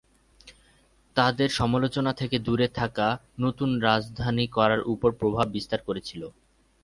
তাদের সমালোচনা থেকে দূরে থাকা নতুন রাজধানী করার উপর প্রভাব বিস্তার করেছিল।